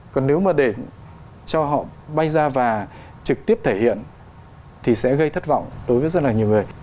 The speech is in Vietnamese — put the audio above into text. còn nếu mà để cho họ bay ra và trực tiếp thể hiện thì sẽ gây thất vọng đối với rất là nhiều người